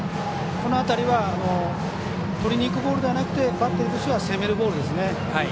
この辺りはとりにいくボールではなくてバッテリーとしては攻めるボールですね。